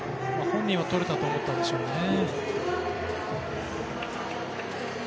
本人は、とれたと思ったでしょうね。